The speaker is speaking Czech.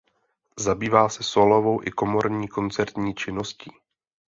Zabývá se sólovou i komorní koncertní činností.